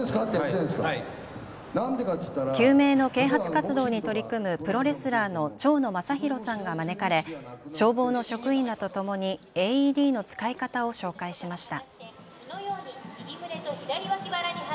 救命の啓発活動に取り組むプロレスラーの蝶野正洋さんが招かれ消防の職員らとともにＡＥＤの使い方を紹介しました。